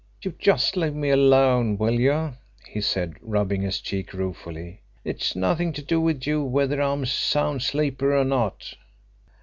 "You just leave me alone, will you?" he said, rubbing his cheek ruefully. "It's nothing to do with you whether I'm a sound sleeper or not."